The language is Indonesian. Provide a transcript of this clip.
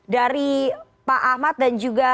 dari pak ahmad dan juga